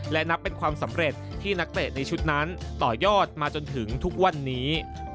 และนับเป็นความสำเร็จที่นักเตะในชุดนั้นต่อยอดมาจนถึงทุกวันนี้